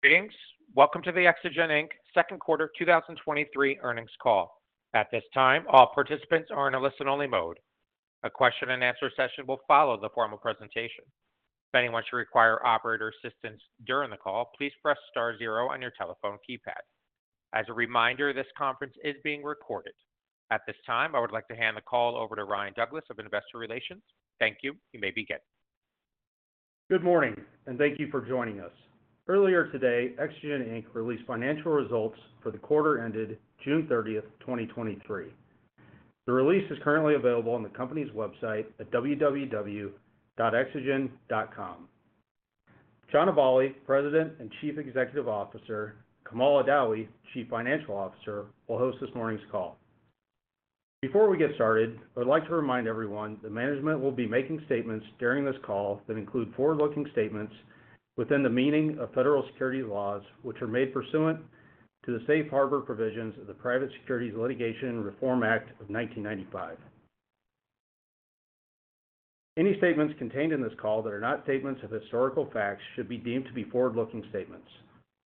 Greetings. Welcome to the Exagen Inc. Q2 2023 earnings call. At this time, all participants are in a listen-only mode. A question-and-answer session will follow the formal presentation. If anyone should require operator assistance during the call, please press star zero on your telephone keypad. As a reminder, this conference is being recorded. At this time, I would like to hand the call over to Ryan Douglas of Investor Relations. Thank you. You may begin. Good morning. Thank you for joining us. Earlier today, Exagen Inc. released financial results for the quarter ended June 30th, 2023. The release is currently available on the company's website at www.exagen.com. John Aballi, President and Chief Executive Officer, Kamal Adawi, Chief Financial Officer, will host this morning's call. Before we get started, I would like to remind everyone that management will be making statements during this call that include forward-looking statements within the meaning of federal securities laws, which are made pursuant to the Safe Harbor Provisions of the Private Securities Litigation Reform Act of 1995. Any statements contained in this call that are not statements of historical facts should be deemed to be forward-looking statements.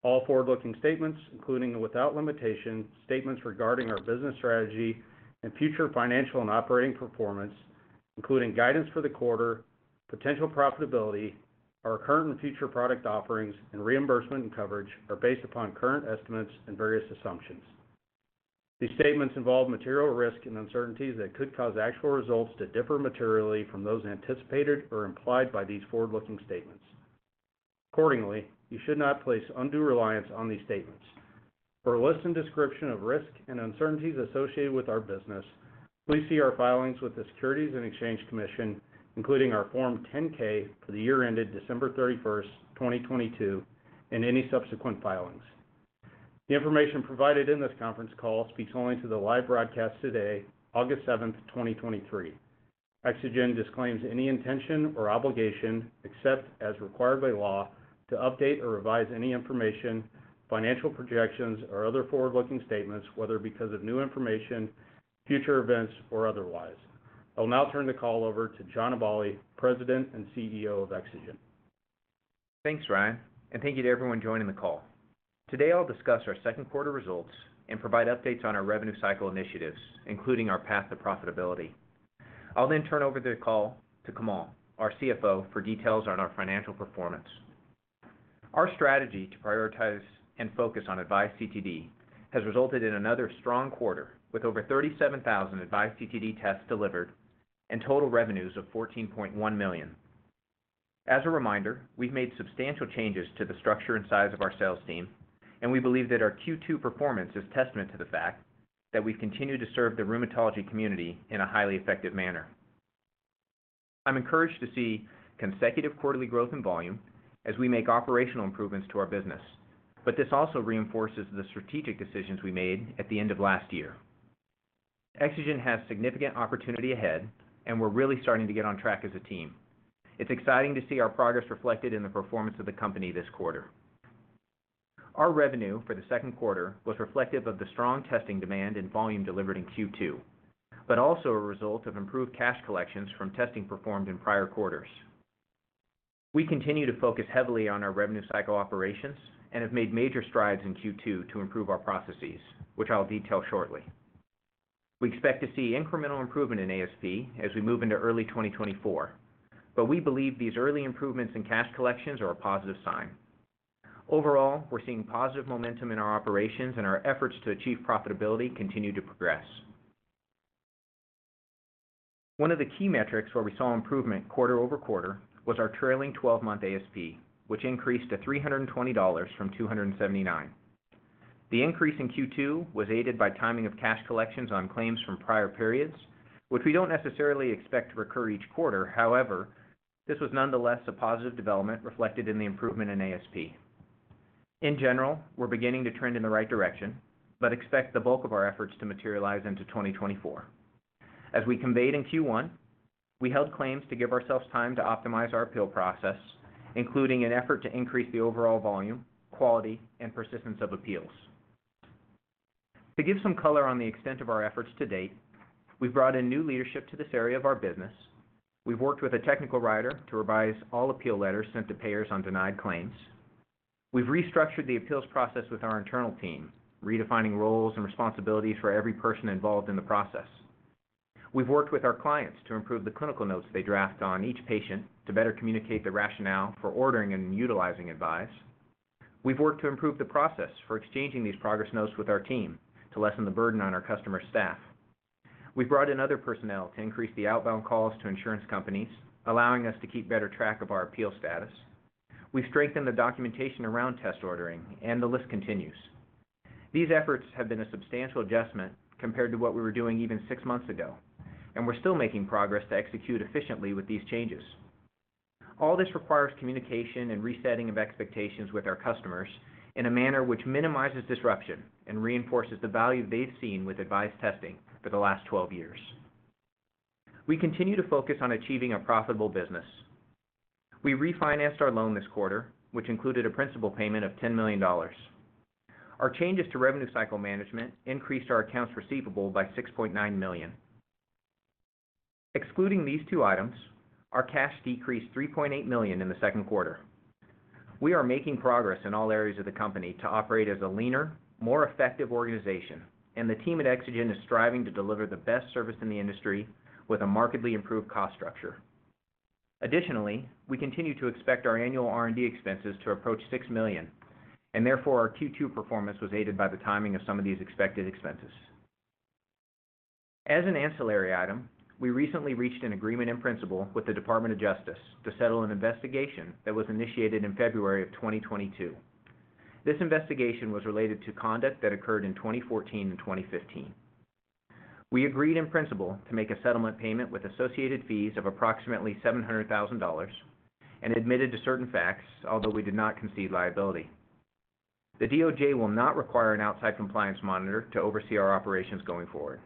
All forward-looking statements, including and without limitation, statements regarding our business strategy and future financial and operating performance, including guidance for the quarter, potential profitability, our current and future product offerings, and reimbursement and coverage, are based upon current estimates and various assumptions. These statements involve material risk and uncertainties that could cause actual results to differ materially from those anticipated or implied by these forward-looking statements. Accordingly, you should not place undue reliance on these statements. For a list and description of risks and uncertainties associated with our business, please see our filings with the Securities and Exchange Commission, including our Form 10-K for the year ended December 31st, 2022, and any subsequent filings. The information provided in this conference call speaks only to the live broadcast today, August 7th, 2023. Exagen disclaims any intention or obligation, except as required by law, to update or revise any information, financial projections, or other forward-looking statements, whether because of new information, future events, or otherwise. I will now turn the call over to John Aballi, President and CEO of Exagen. Thanks, Ryan, thank you to everyone joining the call. Today, I'll discuss our Q2 results and provide updates on our revenue cycle initiatives, including our path to profitability. I'll turn over the call to Kamal, our CFO, for details on our financial performance. Our strategy to prioritize and focus on AVISE CTD has resulted in another strong quarter, with over 37,000 AVISE CTD tests delivered and total revenues of $14.1 million. As a reminder, we've made substantial changes to the structure and size of our sales team, and we believe that our Q2 performance is testament to the fact that we continue to serve the rheumatology community in a highly effective manner. I'm encouraged to see consecutive quarterly growth in volume as we make operational improvements to our business, but this also reinforces the strategic decisions we made at the end of last year. Exagen has significant opportunity ahead, and we're really starting to get on track as a team. It's exciting to see our progress reflected in the performance of the company this quarter. Our revenue for the Q2 was reflective of the strong testing demand and volume delivered in Q2, but also a result of improved cash collections from testing performed in prior quarters. We continue to focus heavily on our revenue cycle operations and have made major strides in Q2 to improve our processes, which I'll detail shortly. We expect to see incremental improvement in ASP as we move into early 2024, but we believe these early improvements in cash collections are a positive sign. Overall, we're seeing positive momentum in our operations, and our efforts to achieve profitability continue to progress. One of the key metrics where we saw improvement quarter-over-quarter was our trailing twelve-month ASP, which increased to $320 from $279. The increase in Q2 was aided by timing of cash collections on claims from prior periods, which we don't necessarily expect to recur each quarter. However, this was nonetheless a positive development reflected in the improvement in ASP. In general, we're beginning to trend in the right direction, but expect the bulk of our efforts to materialize into 2024. As we conveyed in Q1, we held claims to give ourselves time to optimize our appeal process, including an effort to increase the overall volume, quality, and persistence of appeals. To give some color on the extent of our efforts to date, we've brought in new leadership to this area of our business. We've worked with a technical writer to revise all appeal letters sent to payers on denied claims. We've restructured the appeals process with our internal team, redefining roles and responsibilities for every person involved in the process. We've worked with our clients to improve the clinical notes they draft on each patient to better communicate the rationale for ordering and utilizing AVISE. We've worked to improve the process for exchanging these progress notes with our team to lessen the burden on our customer staff. We've brought in other personnel to increase the outbound calls to insurance companies, allowing us to keep better track of our appeal status. We've strengthened the documentation around test ordering, and the list continues. These efforts have been a substantial adjustment compared to what we were doing even 6 months ago, and we're still making progress to execute efficiently with these changes. All this requires communication and resetting of expectations with our customers in a manner which minimizes disruption and reinforces the value they've seen with AVISE testing for the last 12 years. We continue to focus on achieving a profitable business. We refinanced our loan this quarter, which included a principal payment of $10 million. Our changes to revenue cycle management increased our accounts receivable by $6.9 million. Excluding these two items, our cash decreased $3.8 million in the Q2. We are making progress in all areas of the company to operate as a leaner, more effective organization, and the team at Exagen is striving to deliver the best service in the industry with a markedly improved cost structure. Additionally, we continue to expect our annual R&D expenses to approach $6 million, and therefore, our Q2 performance was aided by the timing of some of these expected expenses. As an ancillary item, we recently reached an agreement in principle with the Department of Justice to settle an investigation that was initiated in February 2022. This investigation was related to conduct that occurred in 2014 and 2015. We agreed in principle to make a settlement payment with associated fees of approximately $700,000 and admitted to certain facts, although we did not concede liability. The DOJ will not require an outside compliance monitor to oversee our operations going forward.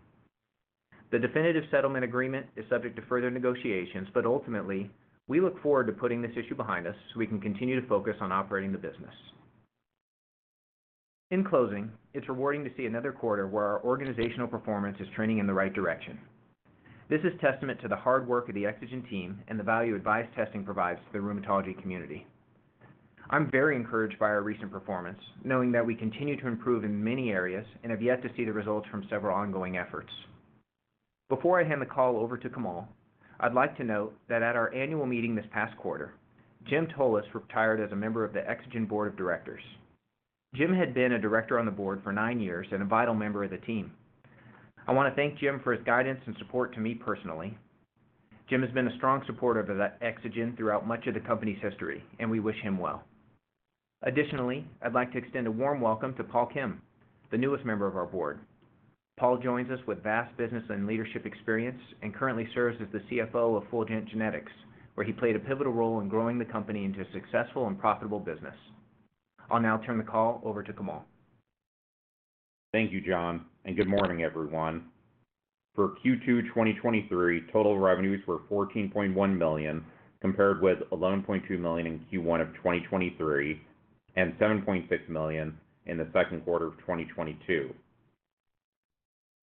The definitive settlement agreement is subject to further negotiations, but ultimately, we look forward to putting this issue behind us so we can continue to focus on operating the business. In closing, it's rewarding to see another quarter where our organizational performance is trending in the right direction. This is testament to the hard work of the Exagen team and the value AVISE testing provides to the rheumatology community. I'm very encouraged by our recent performance, knowing that we continue to improve in many areas and have yet to see the results from several ongoing efforts. Before I hand the call over to Kamal, I'd like to note that at our annual meeting this past quarter, Jim Tullis retired as a member of the Exagen Board of Directors. Jim had been a director on the board for nine years and a vital member of the team. I want to thank Jim for his guidance and support to me personally. Jim has been a strong supporter of the Exagen throughout much of the company's history, and we wish him well. Additionally, I'd like to extend a warm welcome to Paul Kim, the newest member of our board. Paul joins us with vast business and leadership experience, and currently serves as the CFO of Fulgent Genetics, where he played a pivotal role in growing the company into a successful and profitable business. I'll now turn the call over to Kamal. Thank you, John. Good morning, everyone. For Q2 2023, total revenues were $14.1 million, compared with $11.2 million in Q1 of 2023 and $7.6 million in the Q2 of 2022.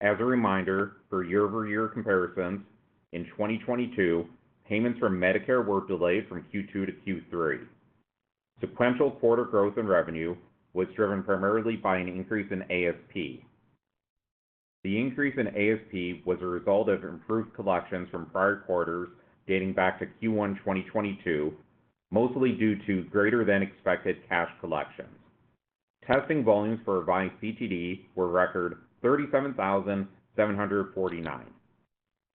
As a reminder, for year-over-year comparisons, in 2022, payments from Medicare were delayed from Q2 to Q3. Sequential quarter growth in revenue was driven primarily by an increase in ASP. The increase in ASP was a result of improved collections from prior quarters dating back to Q1 2022, mostly due to greater than expected cash collections. Testing volumes for AVISE CTD were record 37,749.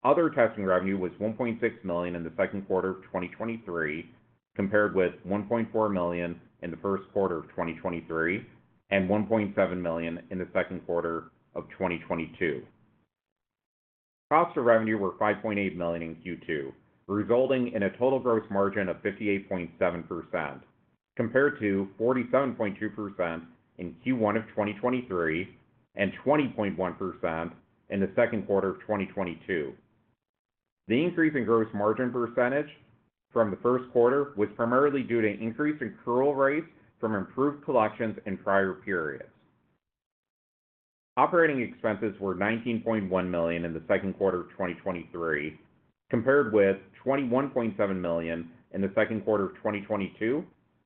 Other testing revenue was $1.6 million in the Q2 of 2023, compared with $1.4 million in the Q1 of 2023 and $1.7 million in the Q2 of 2022. Costs of revenue were $5.8 million in Q2, resulting in a total gross margin of 58.7%, compared to 47.2% in Q1 2023 and 20.1% in the Q2 of 2022. The increase in gross margin percentage from the Q1 was primarily due to increased accrual rates from improved collections in prior periods. Operating expenses were $19.1 million in 2Q 2023, compared with $21.7 million in 2Q 2022,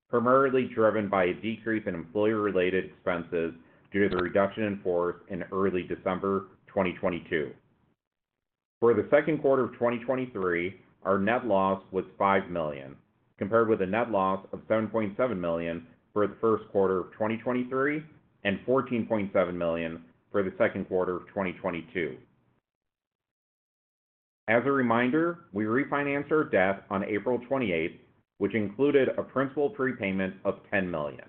primarily driven by a decrease in employee-related expenses due to the reduction in force in early December 2022. For 2Q 2023, our net loss was $5 million, compared with a net loss of $7.7 million for 1Q 2023 and $14.7 million for 2Q 2022. As a reminder, we refinanced our debt on April 28, which included a principal prepayment of $10 million.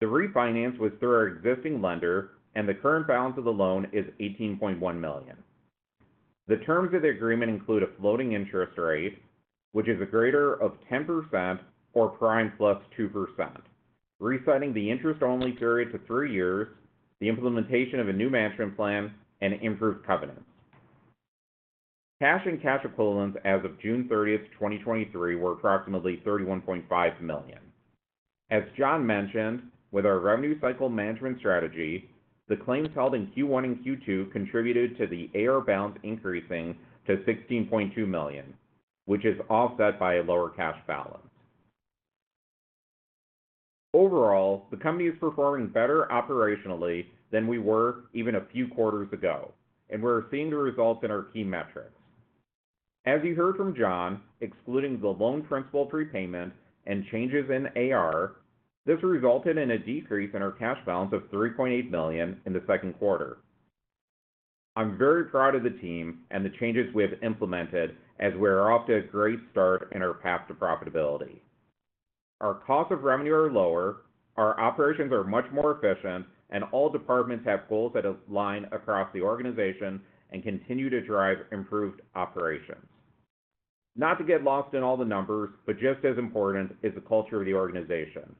The refinance was through our existing lender, and the current balance of the loan is $18.1 million. The terms of the agreement include a floating interest rate, which is a greater of 10% or prime plus 2%, resetting the interest-only period to 3 years, the implementation of a new management plan, and improved covenants. Cash and cash equivalents as of June 30, 2023, were approximately $31.5 million. As John mentioned, with our revenue cycle management strategy, the claims held in Q1 and Q2 contributed to the AR balance increasing to $16.2 million, which is offset by a lower cash balance. Overall, the company is performing better operationally than we were even a few quarters ago, and we're seeing the results in our key metrics. As you heard from John, excluding the loan principal prepayment and changes in AR, this resulted in a decrease in our cash balance of $3.8 million in the Q2. I'm very proud of the team and the changes we have implemented as we are off to a great start in our path to profitability. Our cost of revenue are lower, our operations are much more efficient, and all departments have goals that align across the organization and continue to drive improved operations. Not to get lost in all the numbers, but just as important is the culture of the organization.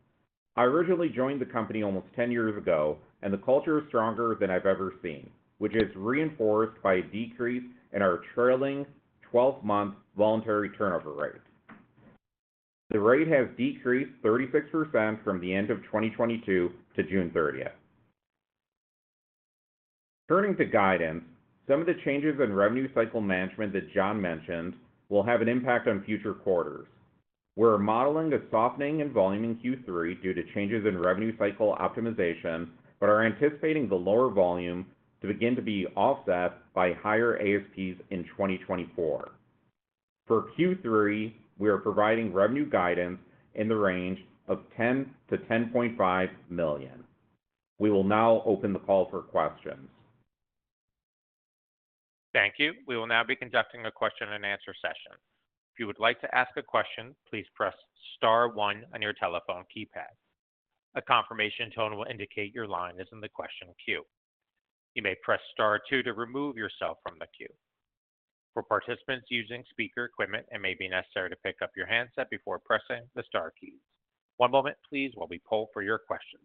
I originally joined the company almost 10 years ago, and the culture is stronger than I've ever seen, which is reinforced by a decrease in our trailing 12-month voluntary turnover rate. The rate has decreased 36% from the end of 2022 to June thirtieth. Turning to guidance, some of the changes in revenue cycle management that John mentioned will have an impact on future quarters. We're modeling a softening in volume in Q3 due to changes in revenue cycle optimization, but are anticipating the lower volume to begin to be offset by higher ASPs in 2024. For Q3, we are providing revenue guidance in the range of $10 million-$10.5 million. We will now open the call for questions. Thank you. We will now be conducting a question and answer session. If you would like to ask a question, please press star one on your telephone keypad. A confirmation tone will indicate your line is in the question queue. You may press star two to remove yourself from the queue. For participants using speaker equipment, it may be necessary to pick up your handset before pressing the star keys. One moment, please, while we poll for your questions.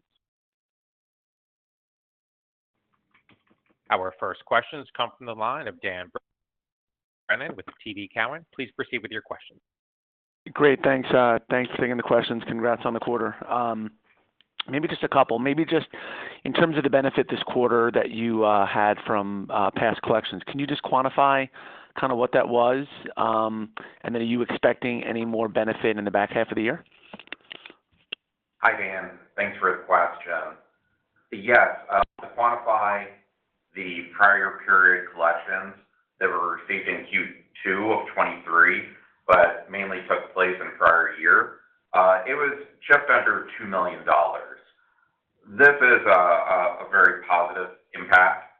Our first questions come from the line of Dan Brennan with TD Cowen. Please proceed with your question. Great, thanks. Thanks for taking the questions. Congrats on the quarter. Maybe just a couple. Maybe just in terms of the benefit this quarter that you had from past collections, can you just quantify kind of what that was? Then are you expecting any more benefit in the back half of the year? Hi, Dan. Thanks for the question. Yes, to quantify the prior period collections that were received in Q2 of 2023, but mainly took place in the prior year, it was just under $2 million. This is a very positive impact,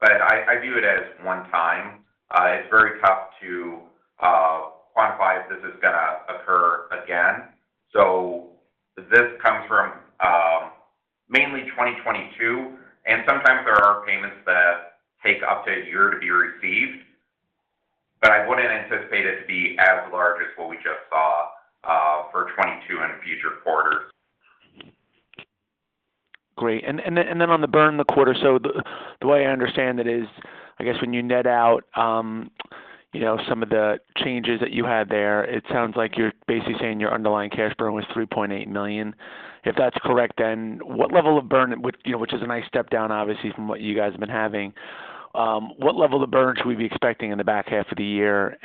but I view it as one time. It's very tough to quantify if this is gonna occur again. This comes from mainly 2022, and sometimes there are payments that take up to 1 year to be received, but I wouldn't anticipate it to be as large as what we just saw for 2022 in future quarters. Great. Then, then on the burn in the quarter, the way I understand it is, I guess when you net out, you know, some of the changes that you had there, it sounds like you're basically saying your underlying cash burn was $3.8 million. If that's correct, then what level of burn would, you know, which is a nice step down, obviously, from what you guys have been having, what level of burn should we be expecting in the back half of the year?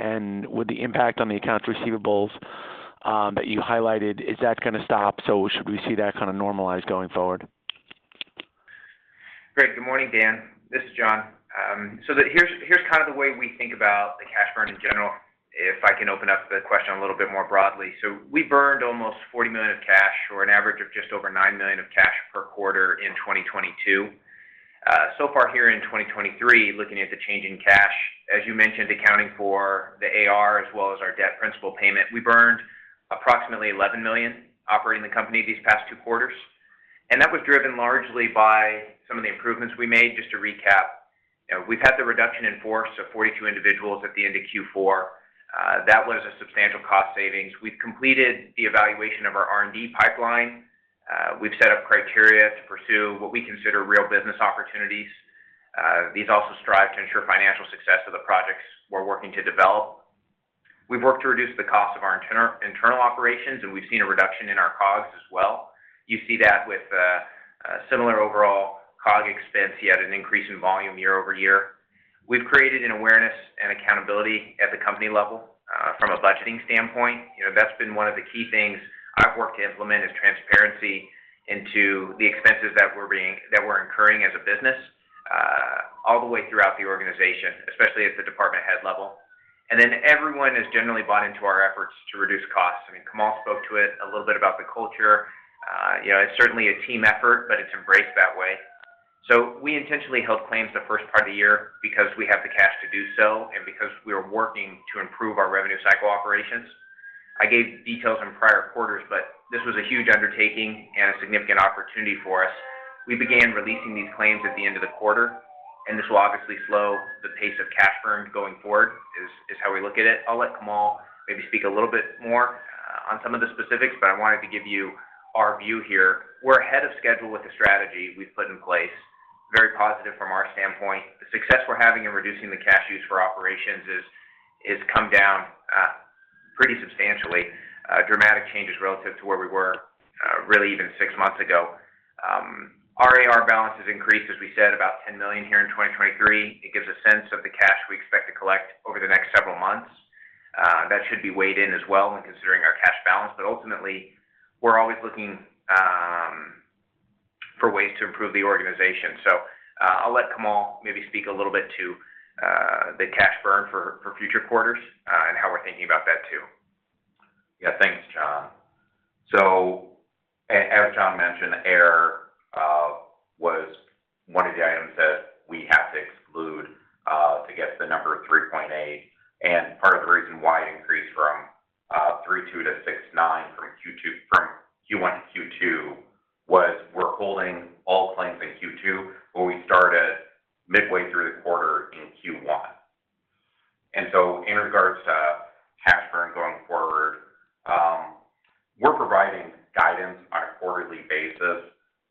Would the impact on the accounts receivables that you highlighted, is that gonna stop, so should we see that kind of normalized going forward? Great. Good morning, Dan. This is John. Here's, here's kind of the way we think about the cash burn in general, if I can open up the question a little bit more broadly. We burned almost $40 million of cash, or an average of just over $9 million of cash per quarter in 2022. Far here in 2023, looking at the change in cash, as you mentioned, accounting for the AR as well as our debt principal payment, we burned approximately $11 million operating the company these past two quarters. That was driven largely by some of the improvements we made. Just to recap, you know, we've had the reduction in force of 42 individuals at the end of Q4. That was a substantial cost savings. We've completed the evaluation of our R&D pipeline. We've set up criteria to pursue what we consider real business opportunities. These also strive to ensure financial success of the projects we're working to develop. We've worked to reduce the cost of our inter-internal operations, and we've seen a reduction in our costs as well. You see that with a similar overall cost expense, yet an increase in volume year over year. We've created an awareness and accountability at the company level from a budgeting standpoint. You know, that's been one of the key things I've worked to implement, is transparency into the expenses that we're incurring as a business all the way throughout the organization, especially at the department head level. Everyone has generally bought into our efforts to reduce costs. I mean, Kamal spoke to it a little bit about the culture. You know, it's certainly a team effort, but it's embraced that way. We intentionally held claims the first part of the year because we have the cash to do so, and because we are working to improve our revenue cycle operations. I gave details in prior quarters, but this was a huge undertaking and a significant opportunity for us. We began releasing these claims at the end of the quarter, and this will obviously slow the pace of cash burn going forward, is how we look at it. I'll let Kamal maybe speak a little bit more on some of the specifics, but I wanted to give you our view here. We're ahead of schedule with the strategy we've put in place. Very positive from our standpoint. The success we're having in reducing the cash use for operations is come down pretty substantially. Dramatic changes relative to where we were, really even six months ago. Our AR balance has increased, as we said, about $10 million here in 2023. It gives a sense of the cash we expect to collect over the next several months. That should be weighed in as well when considering our cash balance, but ultimately, we're always looking for ways to improve the organization. I'll let Kamal maybe speak a little bit to the cash burn for, for future quarters, and how we're thinking about that too. Yeah. Thanks, John. As John mentioned, AR was one of the items that we had to exclude to get to the number of 3.8. Part of the reason why it increased from 32 to 69 from Q2, from Q1 to Q2, was we're holding all claims in Q2, but we started midway through the quarter in Q1. In regards to cash burn going forward, we're providing guidance...... quarterly basis,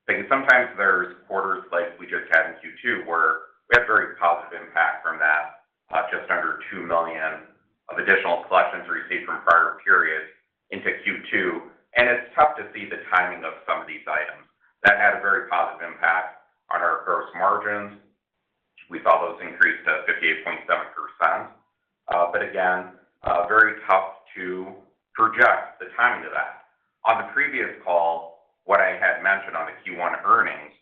because sometimes there's quarters like we just had in Q2, where we had very positive impact from that, just under $2 million of additional collections received from prior periods into Q2. It's tough to see the timing of some of these items. That had a very positive impact on our gross margins. We saw those increase to 58.7%. Again, very tough to project the timing of that. On the previous call, what I had mentioned on the Q1 earnings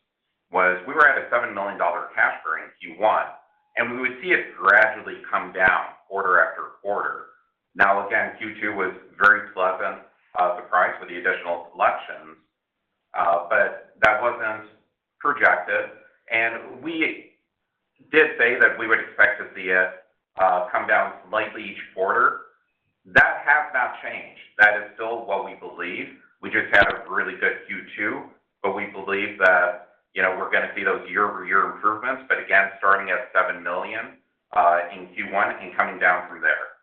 was we were at a $7 million cash burn in Q1, and we would see it gradually come down quarter after quarter. Now, again, Q2 was very pleasant, surprise with the additional collections, that wasn't projected, and we did say that we would expect to see it, come down slightly each quarter. That has not changed. That is still what we believe. We just had a really good Q2, but we believe that, you know, we're gonna see those year-over-year improvements, but again, starting at $7 million in Q1 and coming down from there.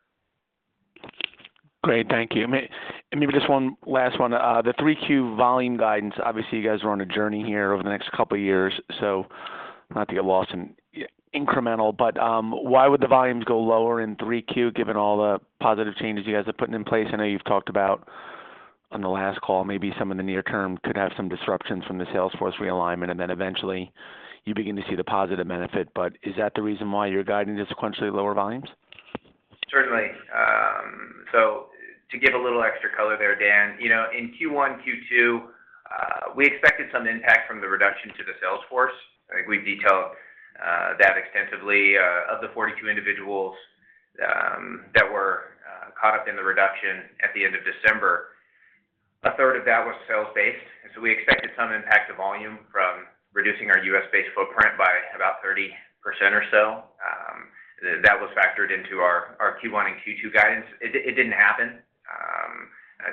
Great. Thank you. May- and maybe just one last one. The 3Q volume guidance, obviously, you guys are on a journey here over the next couple of years, so not to get lost in incremental, why would the volumes go lower in 3Q, given all the positive changes you guys are putting in place? I know you've talked about on the last call, maybe some of the near term could have some disruptions from the sales force realignment, and then eventually, you begin to see the positive benefit, is that the reason why you're guiding to sequentially lower volumes? Certainly. So to give a little extra color there, Dan, you know, in Q1, Q2, we expected some impact from the reduction to the sales force. I think we've detailed that extensively, of the 42 individuals that were caught up in the reduction at the end of December. A third of that was sales-based, and so we expected some impact to volume from reducing our U.S.-based footprint by about 30% or so. That was factored into our, our Q1 and Q2 guidance. It, it didn't happen,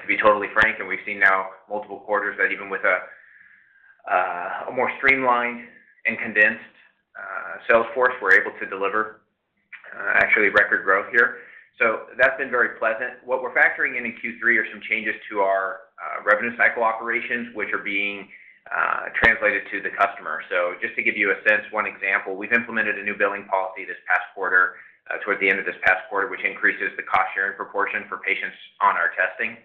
to be totally frank, and we've seen now multiple quarters that even with a more streamlined and condensed sales force, we're able to deliver actually record growth here. That's been very pleasant. What we're factoring in in Q3 are some changes to our revenue cycle operations, which are being translated to the customer. Just to give you a sense, one example, we've implemented a new billing policy this past quarter, towards the end of this past quarter, which increases the cost-sharing proportion for patients on our testing.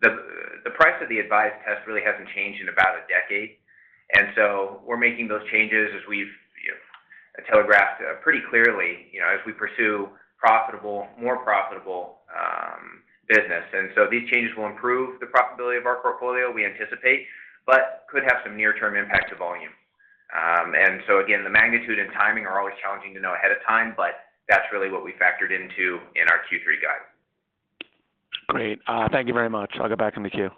The price of the AVISE test really hasn't changed in about a decade, so we're making those changes as we've telegraphed pretty clearly, you know, as we pursue profitable-- more profitable business. These changes will improve the profitability of our portfolio, we anticipate, but could have some near-term impact to volume. Again, the magnitude and timing are always challenging to know ahead of time, but that's really what we factored into in our Q3 guide. Great. Thank you very much. I'll go back in the queue.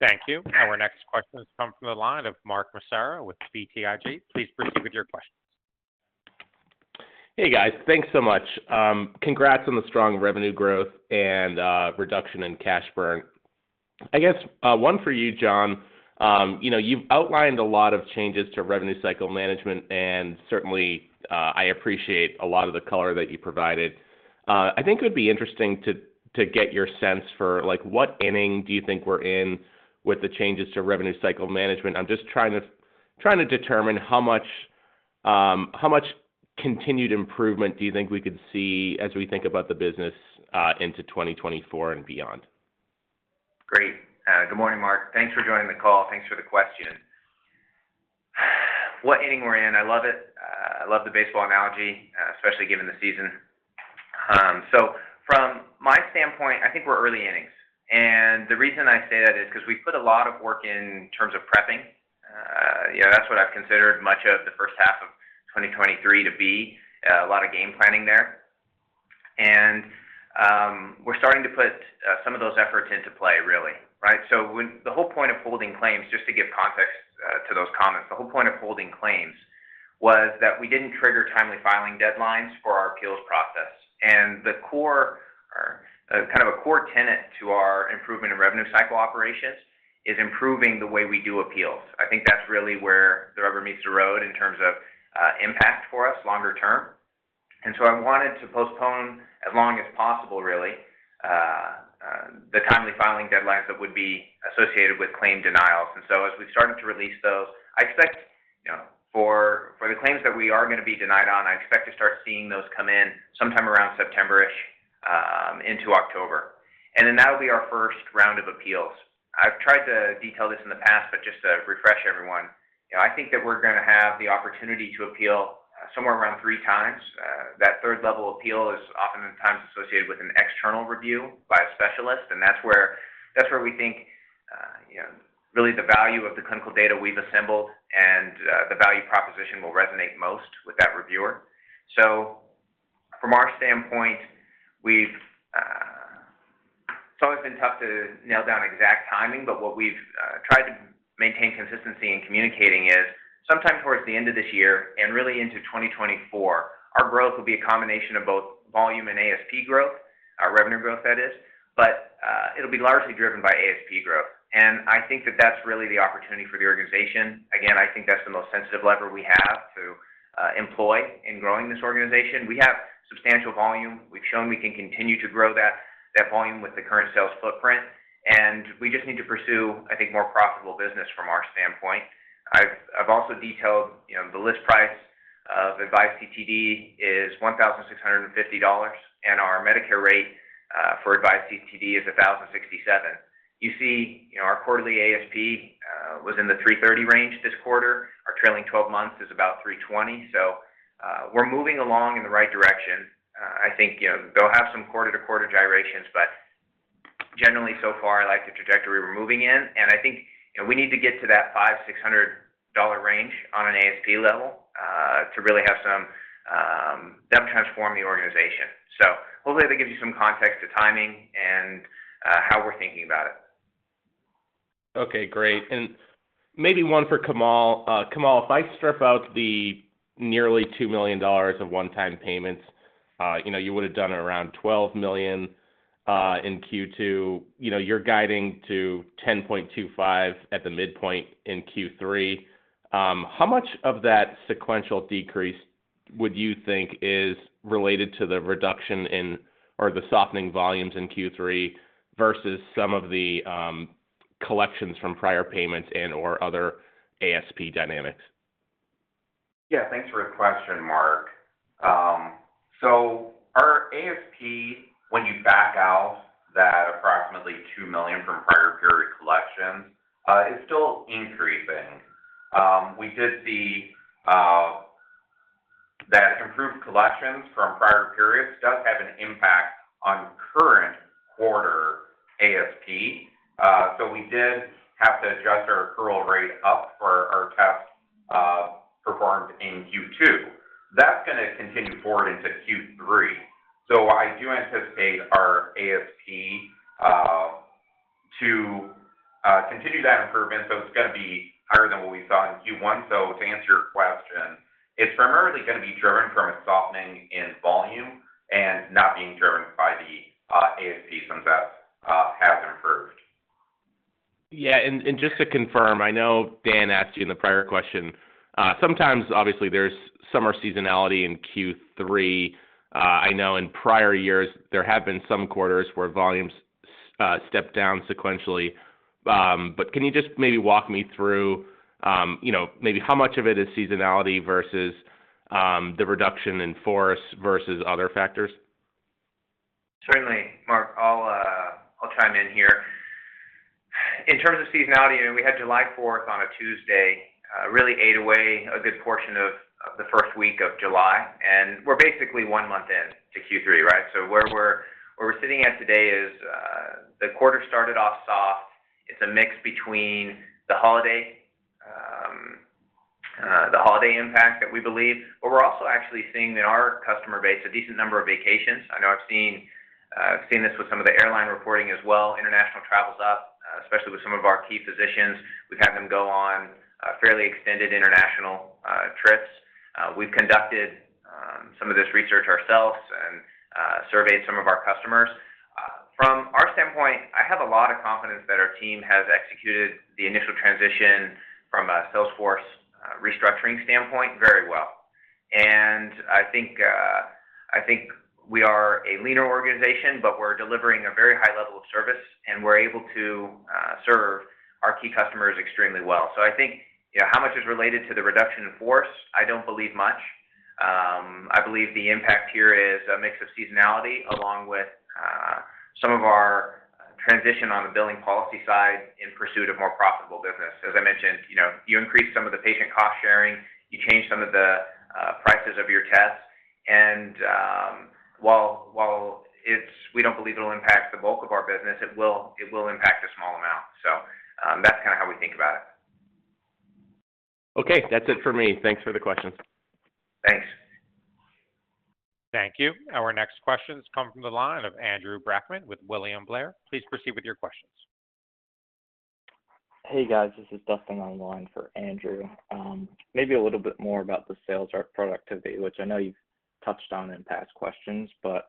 Thank you. Our next question has come from the line of Mark Massaro with BTIG. Please proceed with your questions. Hey, guys. Thanks so much. Congrats on the strong revenue growth and reduction in cash burn. I guess, one for you, John. You know, you've outlined a lot of changes to revenue cycle management, and certainly, I appreciate a lot of the color that you provided. I think it would be interesting to, to get your sense for, like, what inning do you think we're in with the changes to revenue cycle management? I'm just trying to, trying to determine how much, how much continued improvement do you think we could see as we think about the business, into 2024 and beyond. Great. Good morning, Mark. Thanks for joining the call. Thanks for the question. What inning we're in? I love it. I love the baseball analogy, especially given the season. From my standpoint, I think we're early innings. The reason I say that is 'cause we put a lot of work in terms of prepping. You know, that's what I've considered much of the first half of 2023 to be, a lot of game planning there. We're starting to put some of those efforts into play, really, right? The whole point of holding claims, just to give context to those comments, the whole point of holding claims was that we didn't trigger timely filing deadlines for our appeals process. The core, kind of a core tenet to our improvement in revenue cycle operations, is improving the way we do appeals. I think that's really where the rubber meets the road in terms of impact for us longer term. I wanted to postpone as long as possible, really, the timely filing deadlines that would be associated with claim denials. As we've started to release those, I expect, you know, for, for the claims that we are gonna be denied on, I expect to start seeing those come in sometime around September-ish, into October, and then that'll be our first round of appeals. I've tried to detail this in the past, but just to refresh everyone, you know, I think that we're gonna have the opportunity to appeal, somewhere around 3 times. That third-level appeal is often times associated with an external review by a specialist, and that's where, that's where we think, you know, really the value of the clinical data we've assembled and the value proposition will resonate most with that reviewer. From our standpoint, we've, it's always been tough to nail down exact timing, but what we've tried to maintain consistency in communicating is, sometime towards the end of this year and really into 2024, our growth will be a combination of both volume and ASP growth, our revenue growth, that is, but it'll be largely driven by ASP growth. I think that that's really the opportunity for the organization. Again, I think that's the most sensitive lever we have to employ in growing this organization. We have substantial volume. We've shown we can continue to grow that, that volume with the current sales footprint, and we just need to pursue, I think, more profitable business from our standpoint. I've, I've also detailed, you know, the list price of AVISE CTD is $1,650, and our Medicare rate for AVISE CTD is $1,067. You see, you know, our quarterly ASP was in the $330 range this quarter. Our trailing twelve months is about $320, so we're moving along in the right direction. I think, you know, they'll have some quarter-to-quarter gyrations, but generally so far, I like the trajectory we're moving in. I think, you know, we need to get to that $500-$600 range on an ASP level to really have some them transform the organization. Hopefully, that gives you some context to timing and how we're thinking about it. Okay, great. Maybe one for Kamal. Kamal, if I strip out the nearly $2 million of one-time payments, you know, you would have done around $12 million in Q2. You know, you're guiding to $10.25 million at the midpoint in Q3. How much of that sequential decrease would you think is related to the reduction in or the softening volumes in Q3 versus some of the collections from prior payments and, or other ASP dynamics? Yeah, thanks for the question, Mark. Our ASP, when you back out that approximately $2 million from prior period collections, is still increasing. We did see that improved collections from prior periods does have an impact on current quarter ASP. We did have to adjust our accrual rate up for our tests performed in Q2. That's gonna continue forward into Q3. I do anticipate our ASP to continue that improvement, so it's gonna be higher than what we saw in Q1. To answer your question, it's primarily gonna be driven from a softening in volume and not being driven by the ASP, since that has improved. Yeah, and just to confirm, I know Dan asked you in the prior question, sometimes obviously there's summer seasonality in Q3. I know in prior years there have been some quarters where volumes, stepped down sequentially. Can you just maybe walk me through, you know, maybe how much of it is seasonality versus, the reduction in force versus other factors? Certainly, Mark, I'll, I'll chime in here. In terms of seasonality, I mean, we had July 4th on a Tuesday, really ate away a good portion of, of the first week of July, and we're basically 1 month in to Q3, right? Where we're, where we're sitting at today is, the quarter started off soft. It's a mix between the holiday, the holiday impact that we believe, but we're also actually seeing in our customer base, a decent number of vacations. I know I've seen, I've seen this with some of the airline reporting as well. International travel's up, especially with some of our key physicians. We've had them go on, fairly extended international, trips. We've conducted, some of this research ourselves and, surveyed some of our customers. From our standpoint, I have a lot of confidence that our team has executed the initial transition from a sales force restructuring standpoint very well. I think, I think we are a leaner organization, but we're delivering a very high level of service, and we're able to serve our key customers extremely well. I think, you know, how much is related to the reduction in force? I don't believe much. I believe the impact here is a mix of seasonality, along with some of our transition on the billing policy side in pursuit of more profitable business. As I mentioned, you know, you increase some of the patient cost-sharing, you change some of the prices of your tests, and while we don't believe it'll impact the bulk of our business, it will, it will impact a small amount. That's kinda how we think about it. Okay. That's it for me. Thanks for the questions. Thanks. Thank you. Our next question comes from the line of Andrew Brackmann with William Blair. Please proceed with your questions. Hey, guys, this is Dustin on the line for Andrew. Maybe a little bit more about the sales or productivity, which I know you've touched on in past questions, but,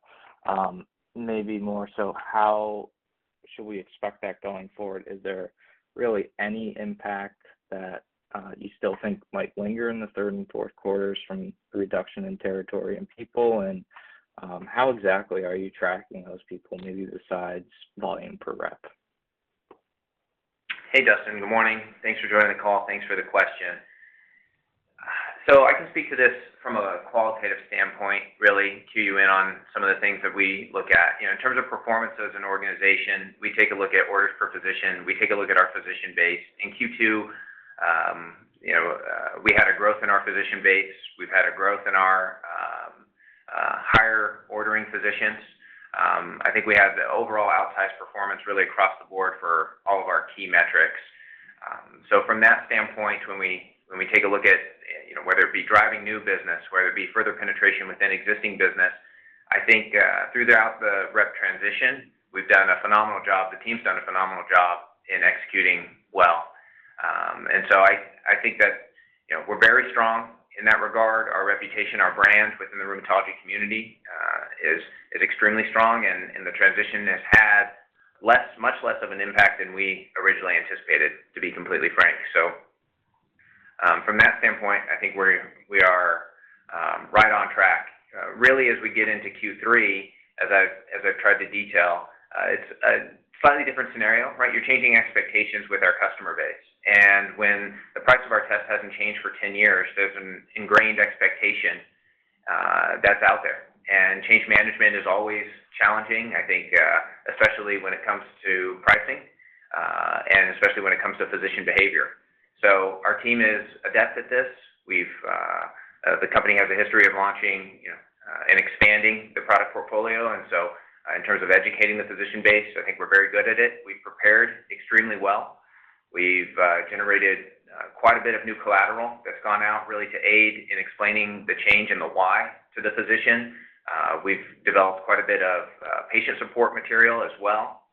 maybe more so how should we expect that going forward? Is there really any impact that you still think might linger in the third and Q4s from the reduction in territory and people? How exactly are you tracking those people maybe besides volume per rep? Hey, Dustin, good morning. Thanks for joining the call. Thanks for the question. I can speak to this from a qualitative standpoint, really cue you in on some of the things that we look at. You know, in terms of performance as an organization, we take a look at orders per physician, we take a look at our physician base. In Q2, you know, we had a growth in our physician base. We've had a growth in our higher ordering physicians. I think we had the overall outsized performance really across the board for all of our key metrics. From that standpoint, when we, when we take a look at, you know, whether it be driving new business, whether it be further penetration within existing business, I think throughout the rep transition, we've done a phenomenal job. The team's done a phenomenal job in executing well. I, I think that, you know, we're very strong in that regard. Our reputation, our brand within the rheumatology community, is, is extremely strong, and, and the transition has had less, much less of an impact than we originally anticipated, to be completely frank. From that standpoint, I think we're, we are, right on track. Really, as we get into Q3, as I've, as I've tried to detail, it's a slightly different scenario, right? You're changing expectations with our customer base, and when the price of our test hasn't changed for 10 years, there's an ingrained expectation, that's out there. Change management is always challenging, I think, especially when it comes to pricing, and especially when it comes to physician behavior. Our team is adept at this. The company has a history of launching, you know, and expanding the product portfolio, and so, in terms of educating the physician base, I think we're very good at it. We've prepared extremely well. We've generated quite a bit of new collateral that's gone out really to aid in explaining the change and the why to the physician. We've developed quite a bit of patient support material as well,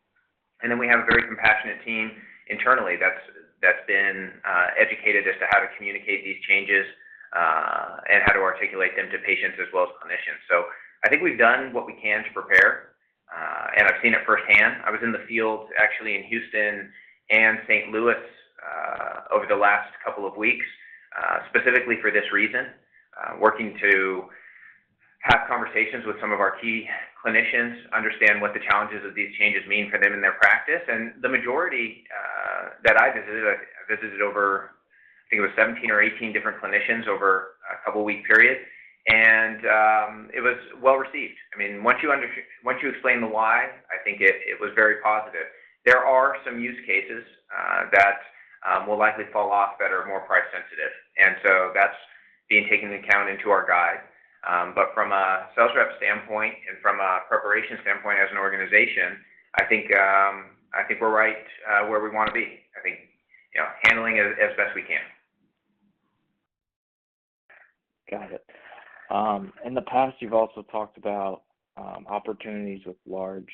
and then we have a very compassionate team internally, that's, that's been educated as to how to communicate these changes, and how to articulate them to patients as well as clinicians. So I think we've done what we can to prepare, and I've seen it firsthand. I was in the field, actually in Houston and St. Louis, over the last couple of weeks, specifically for this reason, working to have conversations with some of our key clinicians, understand what the challenges of these changes mean for them in their practice. The majority that I visited, I visited over, I think it was 17 or 18 different clinicians over a couple of week period, and it was well-received. I mean, once you once you explain the why, I think it, it was very positive. There are some use cases that will likely fall off that are more price sensitive, and so that's being taken into account into our guide. From a sales rep standpoint and from a preparation standpoint as an organization, I think, I think we're right where we want to be. I think, you know, handling it as best we can. Got it. In the past, you've also talked about, opportunities with large,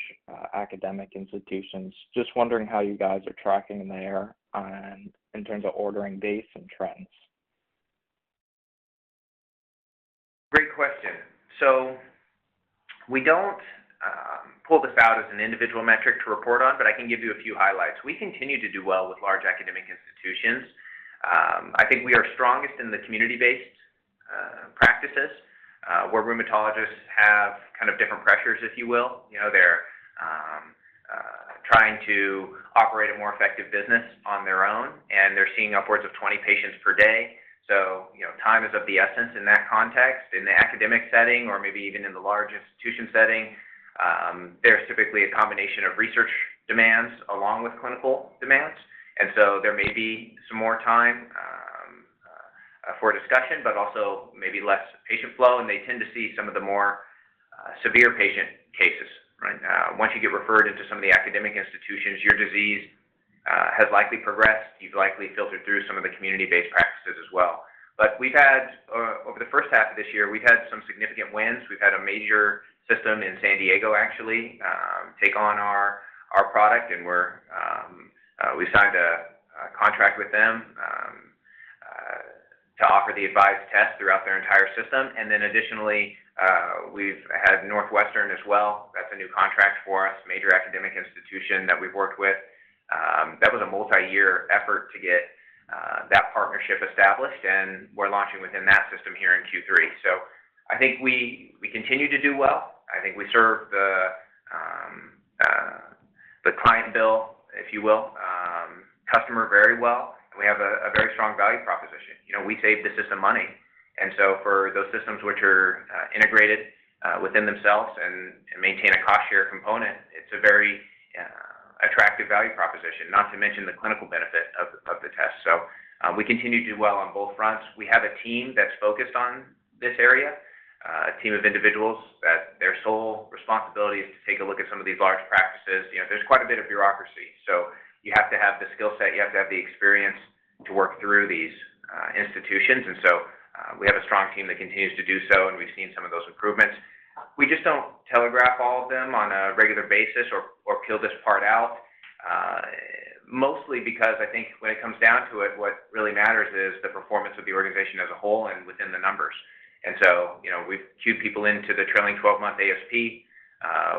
academic institutions. Just wondering how you guys are tracking there and in terms of ordering base and trends? Great question. We don't pull this out as an individual metric to report on, but I can give you a few highlights. We continue to do well with large academic institutions. I think we are strongest in the community-based practices where rheumatologists have kind of different pressures, if you will. You know, they're trying to operate a more effective business on their own, and they're seeing upwards of 20 patients per day. You know, time is of the essence in that context. In the academic setting or maybe even in the large institution setting, there's typically a combination of research demands along with clinical demands, and so there may be some more time for discussion, but also maybe less patient flow, and they tend to see some of the more severe patient cases, right? Once you get referred into some of the academic institutions, your disease has likely progressed. You've likely filtered through some of the community-based practices as well. We've had, over the first half of this year, we've had some significant wins. We've had a major system in San Diego, actually, take on our, our product, and we signed a contract with them, to offer the AVISE test throughout their entire system. Additionally, we've had Northwestern as well. That's a new contract for us, major academic institution that we've worked with. That was a multi-year effort to get that partnership established, and we're launching within that system here in Q3. I think we, we continue to do well. I think we serve the client bill, if you will, customer very well, and we have a very strong value proposition. You know, we save the system money. For those systems which are integrated within themselves and maintain a cost-share component, it's a very attractive value proposition, not to mention the clinical benefit of the test. We continue to do well on both fronts. We have a team that's focused on this area, a team of individuals, that their sole responsibility is to take a look at some of these large practices. You know, there's quite a bit of bureaucracy, so you have to have the skill set, you have to have the experience to work through these institutions. We have a strong team that continues to do so, and we've seen some of those improvements. We just don't telegraph all of them on a regular basis or, or peel this part out, mostly because I think when it comes down to it, what really matters is the performance of the organization as a whole and within the numbers. You know, we've cued people into the trailing-12-month ASP.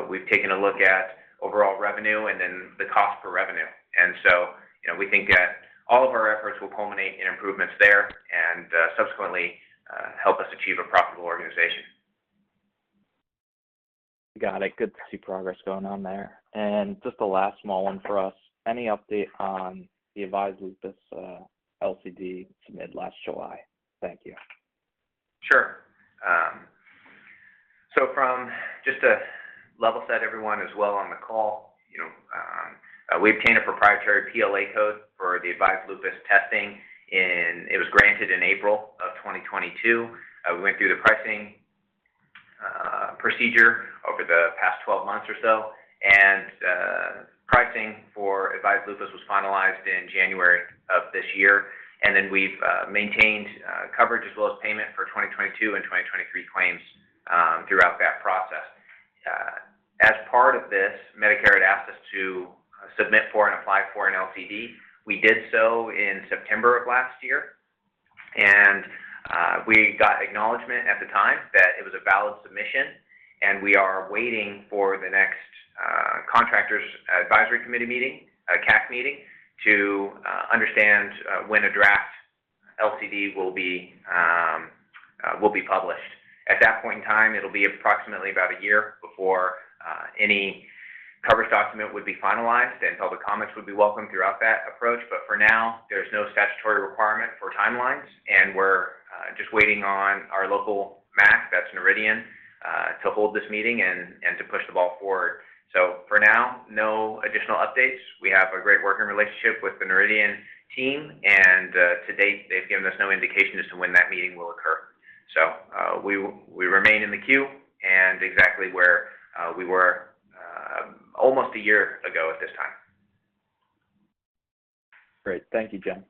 We've taken a look at overall revenue and then the cost per revenue. You know, we think that all of our efforts will culminate in improvements there and, subsequently, help us achieve a profitable organization. Got it. Good to see progress going on there. Just a last small one for us: Any update on the AVISE Lupus LCD submitted last July? Thank you. Sure. So from just to level set everyone as well on the call, you know, we obtained a proprietary Proprietary Laboratory Analyses code for the AVISE Lupus testing, and it was granted in April of 2022. We went through the pricing procedure over the past 12 months or so, and pricing for AVISE Lupus was finalized in January of this year. We've maintained coverage as well as payment for 2022 and 2023 claims throughout that process. As part of this, Medicare had asked us to submit for and apply for an LCD. We did so in September of last year, and... We got acknowledgement at the time that it was a valid submission, we are waiting for the next Contractor Advisory Committee meeting, a CAC meeting, to understand when a draft LCD will be published. At that point in time, it'll be approximately about a year before any coverage document would be finalized, public comments would be welcome throughout that approach. For now, there's no statutory requirement for timelines, we're just waiting on our local MAC, that's Noridian, to hold this meeting and to push the ball forward. For now, no additional updates. We have a great working relationship with the Noridian team, to date, they've given us no indication as to when that meeting will occur. We, we remain in the queue and exactly where, we were, almost a year ago at this time. Great. Thank you, John.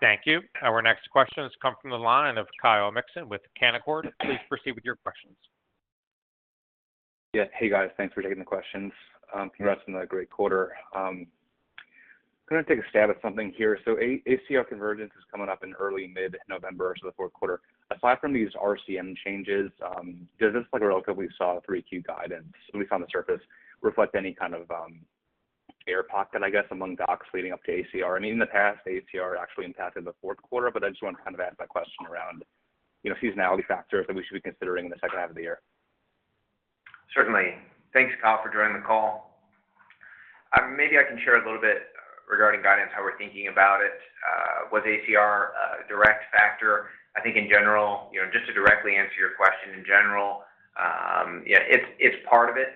Thank you. Our next question has come from the line of Kyle Mikson with Canaccord. Please proceed with your questions. Yeah. Hey, guys. Thanks for taking the questions, congrats on the great quarter. I'm gonna take a stab at something here. ACR Convergence is coming up in early mid-November, so the Q4. Aside from these RCM changes, does this like relatively soft 3Q guidance, at least on the surface, reflect any kind of air pocket, I guess, among docs leading up to ACR? I mean, in the past, ACR actually impacted the Q4, I just want to kind of ask that question around, you know, seasonality factors that we should be considering in the second half of the year. Certainly. Thanks, Kyle, for joining the call. Maybe I can share a little bit regarding guidance, how we're thinking about it, was ACR a direct factor? I think in general, you know, just to directly answer your question, in general, yeah, it's, it's part of it.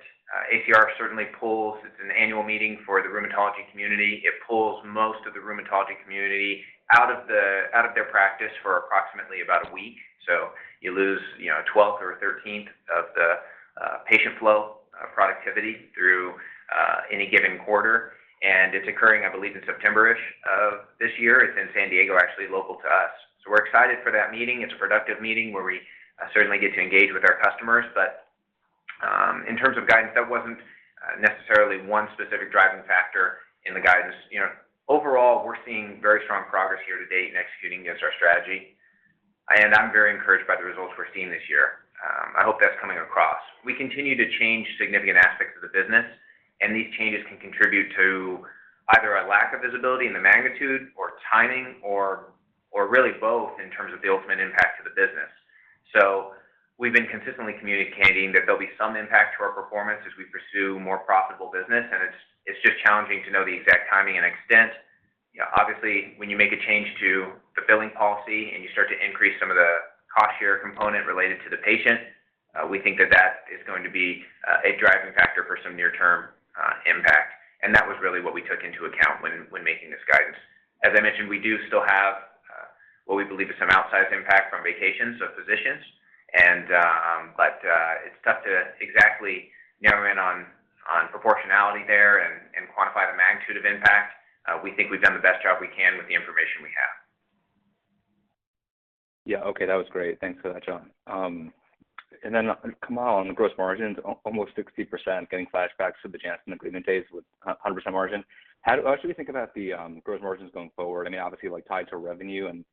ACR certainly pulls, it's an annual meeting for the rheumatology community. It pulls most of the rheumatology community out of their practice for approximately about a week. you lose, you know, a twelfth or a thirteenth of the patient flow, productivity through any given quarter, and it's occurring, I believe, in September-ish this year. It's in San Diego, actually, local to us. we're excited for that meeting. It's a productive meeting where we certainly get to engage with our customers, but in terms of guidance, that wasn't necessarily one specific driving factor in the guidance. You know, overall, we're seeing very strong progress year to date in executing against our strategy, and I'm very encouraged by the results we're seeing this year. I hope that's coming across. We continue to change significant aspects of the business, and these changes can contribute to either a lack of visibility in the magnitude, or timing, or really both in terms of the ultimate impact to the business. We've been consistently communicating that there'll be some impact to our performance as we pursue more profitable business, and it's just challenging to know the exact timing and extent. You know, obviously, when you make a change to the billing policy and you start to increase some of the cost share component related to the patient, we think that that is going to be a driving factor for some near-term impact. That was really what we took into account when, when making this guidance. As I mentioned, we do still have what we believe is some outsized impact from vacations of physicians, and. It's tough to exactly narrow in on, on proportionality there and, and quantify the magnitude of impact. We think we've done the best job we can with the information we have. Yeah. Okay, that was great. Thanks for that, John. Kamal, on the gross margins, almost 60%, getting flashbacks to the Janssen agreement days with a 100% margin. How should we think about the gross margins going forward? I mean, obviously, like, tied to revenue, and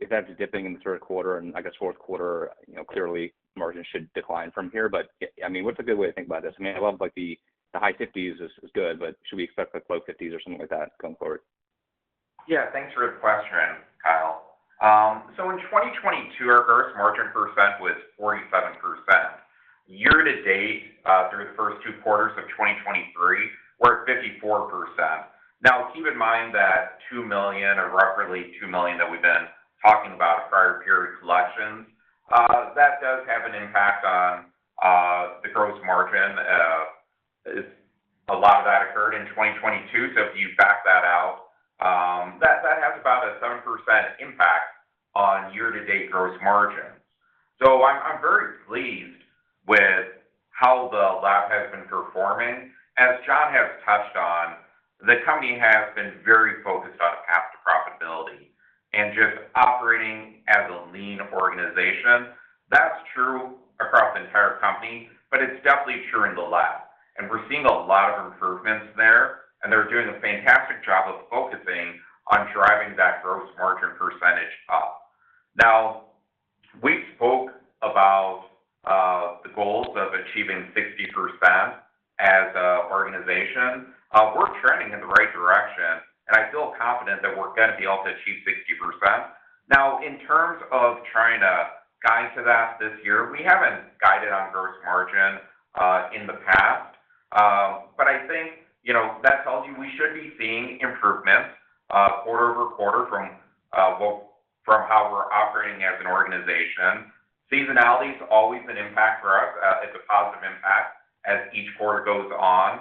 if that's dipping in the Q3, and I guess Q4, you know, clearly margins should decline from here. I mean, what's a good way to think about this? I mean, I love, like, the high 50s is good, but should we expect the low 50s or something like that going forward? Yeah, thanks for the question, Kyle. In 2022, our gross margin % was 47%. Year-to-date, through the first 2 quarters of 2023, we're at 54%. Now, keep in mind that $2 million, or roughly $2 million that we've been talking about, prior period collections, that does have an impact on the gross margin. A lot of that occurred in 2022, so if you back that out, that, that has about a 7% impact on year-to-date gross margins. I'm, I'm very pleased with how the lab has been performing. As John has touched on, the company has been very focused on path to profitability and just operating as a lean organization. That's true across the entire company, but it's definitely true in the lab, and we're seeing a lot of improvements there, and they're doing a fantastic job of focusing on driving that gross margin percentage up. We spoke about the goals of achieving 60% as a organization. We're trending in the right direction, and I feel confident that we're gonna be able to achieve 60%. In terms of trying to guide to that this year, we haven't guided on gross margin in the past. I think, you know, that tells you we should be seeing improvements quarter-over-quarter from, well, from how we're operating as an organization. Seasonality is always an impact for us. It's a positive impact as each quarter goes on,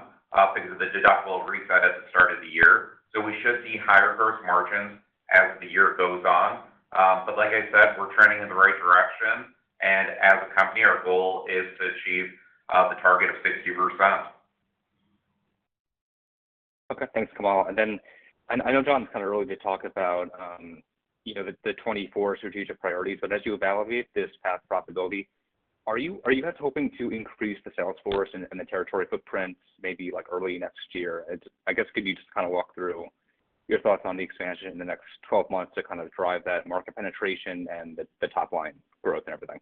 because of the deductible reset at the start of the year. We should see higher gross margins as the year goes on. Like I said, we're trending in the right direction, and as a company, our goal is to achieve the target of 60%. Okay. Thanks, Kamal. Then, I, I know, John, it's kind of early to talk about, you know, the, the 2024 strategic priorities, but as you evaluate this path profitability-... Are you, are you guys hoping to increase the sales force and, and the territory footprints, maybe like early next year? It's, I guess, could you just kind of walk through your thoughts on the expansion in the next 12 months to kind of drive that market penetration and the, the top line growth and everything?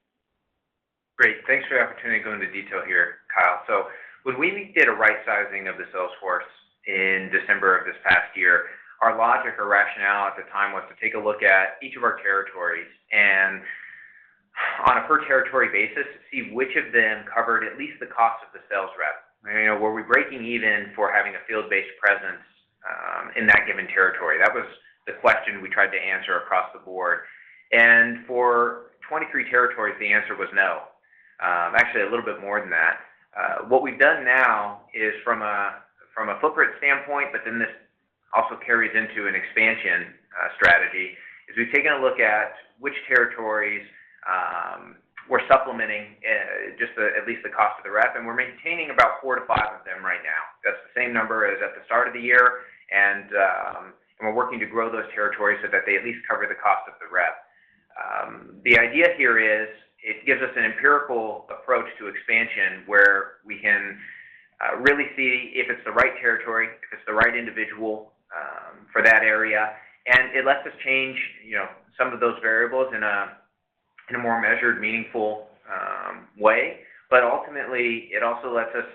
Great. Thanks for the opportunity to go into detail here, Kyle. When we did a right sizing of the sales force in December of this past year, our logic or rationale at the time was to take a look at each of our territories, and on a per territory basis, to see which of them covered at least the cost of the sales rep. I mean, were we breaking even for having a field-based presence in that given territory? That was the question we tried to answer across the board. For 23 territories, the answer was no. Actually, a little bit more than that. What we've done now is from a footprint standpoint, but then this also carries into an expansion strategy, is we've taken a look at which territories we're supplementing just the, at least the cost of the rep, and we're maintaining about 4-5 of them right now. That's the same number as at the start of the year, and we're working to grow those territories so that they at least cover the cost of the rep. The idea here is, it gives us an empirical approach to expansion, where we can really see if it's the right territory, if it's the right individual for that area. It lets us change, you know, some of those variables in a more measured, meaningful way. Ultimately, it also lets us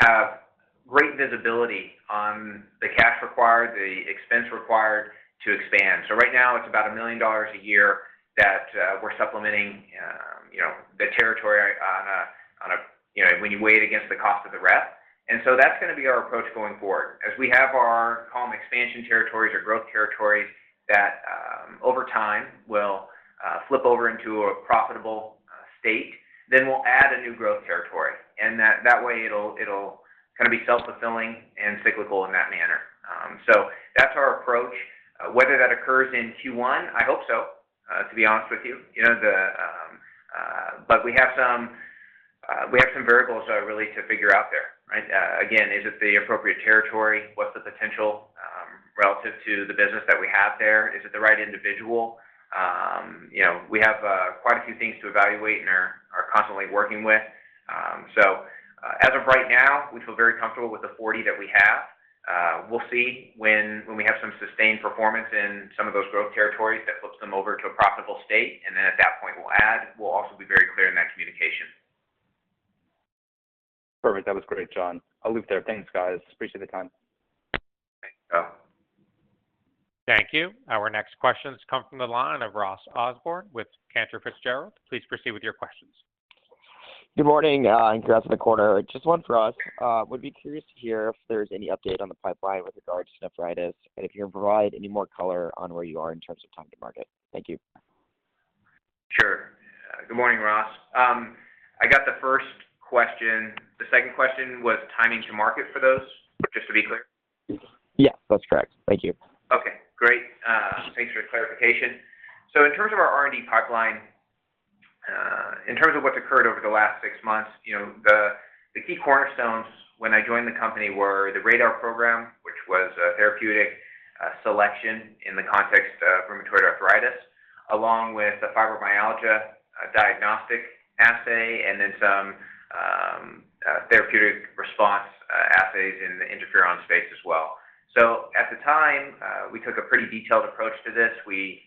have great visibility on the cash required, the expense required to expand. So right now, it's about $1 million a year that we're supplementing, you know, the territory, you know, when you weigh it against the cost of the rep. That's gonna be our approach going forward. As we have our column expansion territories or growth territories that over time will flip over into a profitable state, then we'll add a new growth territory. That, that way, it'll, it'll kinda be self-fulfilling and cyclical in that manner. So that's our approach. Whether that occurs in Q1, I hope so, to be honest with you. We have some, we have some variables really to figure out there, right? Again, is it the appropriate territory? What's the potential, relative to the business that we have there? Is it the right individual? You know, we have quite a few things to evaluate and are constantly working with. As of right now, we feel very comfortable with the 40 that we have. We'll see when, when we have some sustained performance in some of those growth territories that flips them over to a profitable state, and then at that point, we'll add. We'll also be very clear in that communication. Perfect. That was great, John. I'll leave it there. Thanks, guys. Appreciate the time. Thanks, Kyle. Thank you. Our next questions come from the line of Ross Osborn with Cantor Fitzgerald. Please proceed with your questions. Good morning, and congrats on the quarter. Just one for us. Would be curious to hear if there's any update on the pipeline with regard to nephritis, and if you can provide any more color on where you are in terms of time to market. Thank you. Sure. Good morning, Ross. I got the first question. The second question was timing to market for those, just to be clear? Yes, that's correct. Thank you. Okay, great. Thanks for the clarification. In terms of our R&D pipeline, in terms of what's occurred over the last 6 months, you know, the key cornerstones when I joined the company were the RADR program, which was a therapeutic, selection in the context of rheumatoid arthritis, along with the fibromyalgia, diagnostic assay, and then some, therapeutic response, assays in the interferon space as well. At the time, we took a pretty detailed approach to this. We...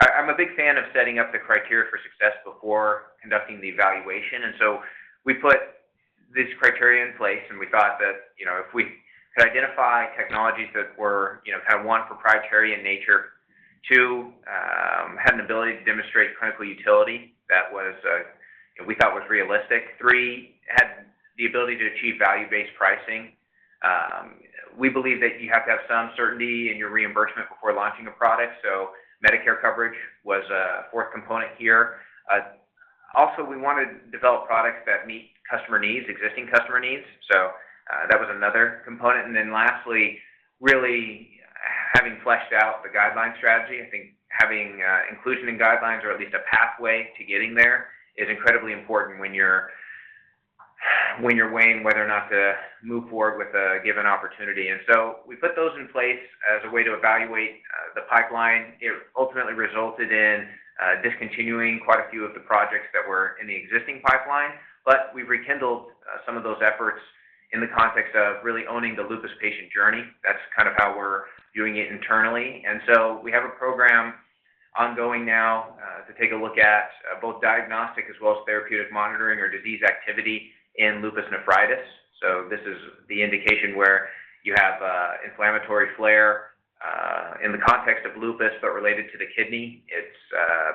I, I'm a big fan of setting up the criteria for success before conducting the evaluation. We put this criteria in place, and we thought that, you know, if we could identify technologies that were, you know, kind of, 1, proprietary in nature, 2, had an ability to demonstrate clinical utility that was, that we thought was realistic, 3, had the ability to achieve value-based pricing. We believe that you have to have some certainty in your reimbursement before launching a product. Medicare coverage was a 4th component here. We want to develop products that meet customer needs, existing customer needs. That was another component. Then lastly, really, having fleshed out the guideline strategy, I think having inclusion in guidelines or at least a pathway to getting there is incredibly important when you're, when you're weighing whether or not to move forward with a given opportunity. So we put those in place as a way to evaluate the pipeline. It ultimately resulted in discontinuing quite a few of the projects that were in the existing pipeline, but we've rekindled some of those efforts in the context of really owning the lupus patient journey. That's kind of how we're doing it internally. So we have a program ongoing now to take a look at both diagnostic as well as therapeutic monitoring or disease activity in lupus nephritis. This is the indication where you have inflammatory flare in the context of lupus, but related to the kidney. It's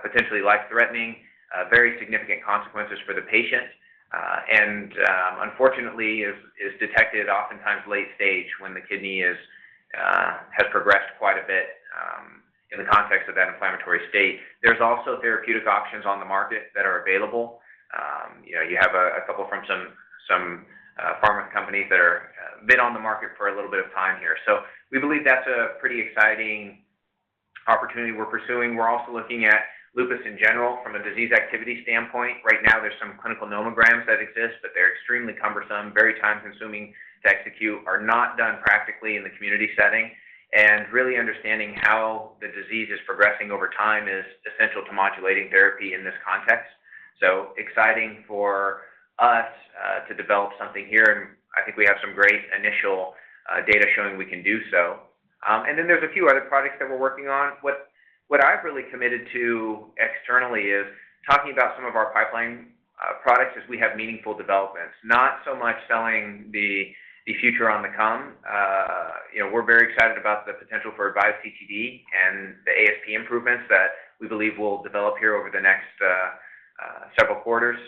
potentially life-threatening, very significant consequences for the patient, and unfortunately, is detected oftentimes late stage when the kidney has progressed quite a bit in the context of that inflammatory state. There's also therapeutic options on the market that are available. You know, you have a couple from some, some pharma companies that are been on the market for a little bit of time here. We believe that's a pretty exciting opportunity we're pursuing. We're also looking at lupus in general from a disease activity standpoint. Right now, there's some clinical nomograms that exist, but they're extremely cumbersome, very time-consuming to execute, are not done practically in the community setting. Really understanding how... disease is progressing over time is essential to modulating therapy in this context. Exciting for us to develop something here, and I think we have some great initial data showing we can do so. Then there's a few other products that we're working on. What, what I've really committed to externally is talking about some of our pipeline products as we have meaningful developments, not so much selling the, the future on the come. You know, we're very excited about the potential for AVISE CTD and the ASP improvements that we believe will develop here over the next several quarters,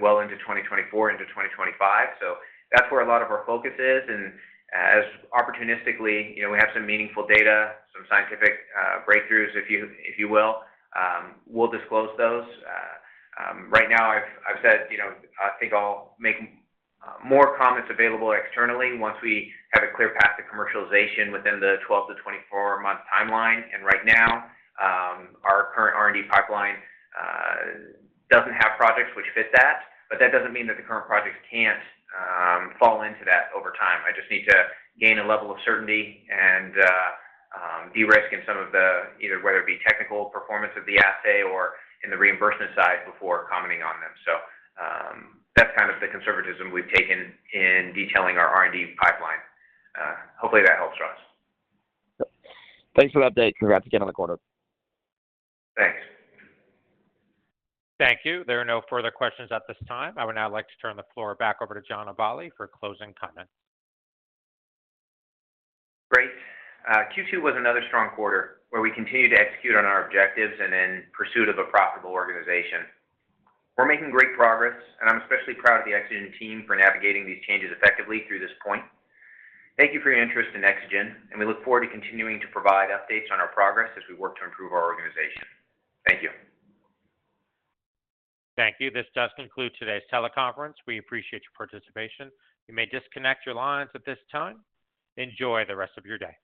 well into 2024 into 2025. That's where a lot of our focus is, as opportunistically, you know, we have some meaningful data, some scientific breakthroughs, if you, if you will, we'll disclose those. Right now, I've, I've said, you know, I think I'll make more comments available externally once we have a clear path to commercialization within the 12-24-month timeline. Right now, our current R&D pipeline doesn't have projects which fit that, but that doesn't mean that the current projects can't fall into that over time. I just need to gain a level of certainty and de-risk in some of the... either whether it be technical performance of the assay or in the reimbursement side before commenting on them. That's kind of the conservatism we've taken in detailing our R&D pipeline. Hopefully, that helps, Ross. Thanks for the update. Congrats again on the quarter. Thanks. Thank you. There are no further questions at this time. I would now like to turn the floor back over to John Aballi for closing comments. Great. Q2 was another strong quarter, where we continued to execute on our objectives and in pursuit of a profitable organization. We're making great progress, and I'm especially proud of the Exagen team for navigating these changes effectively through this point. Thank you for your interest in Exagen, and we look forward to continuing to provide updates on our progress as we work to improve our organization. Thank you. Thank you. This does conclude today's teleconference. We appreciate your participation. You may disconnect your lines at this time. Enjoy the rest of your day.